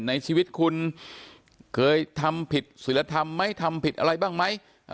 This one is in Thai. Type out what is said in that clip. ในชีวิตคุณเคยทำผิดศิลธรรมไหมทำผิดอะไรบ้างไหม